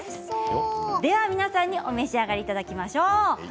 では皆さんにお召し上がりいただきましょう。